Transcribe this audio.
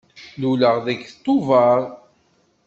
Luleɣ deg Tubeṛ.